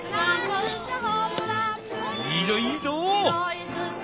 いいぞいいぞ。